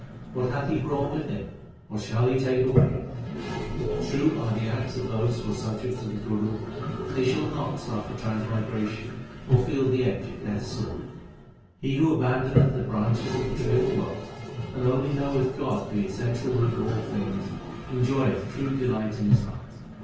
What hath he brought with him ? what shall he take away ? True are the acts of those who are subject to the Guru ; They shall not suffer transmigration or feel the edge of Death s sword. He who abandoneth the branches of the tree of the world, 1 and only knoweth God the essential root of all things, enjoy eth true delight in his heart.